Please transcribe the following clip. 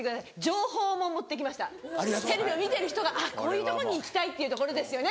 情報も持ってきましたテレビを見てる人が「あっこういうとこに行きたい」っていうところですよね。